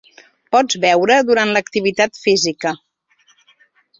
Pots beure durant l’activitat física.